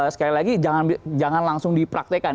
sekali lagi jangan langsung dipraktekan